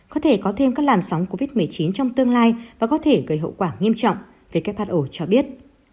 có thể có thêm các làn sóng covid một mươi chín trong tương lai và có thể gây hậu quả nghiêm trọng who cho biết